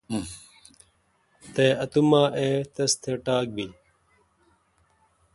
تے اتو ما اے° تس تہ ٹاک بیل۔